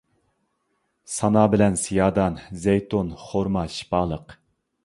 سانا بىلەن سىيادان، زەيتۇن، خورما شىپالىق.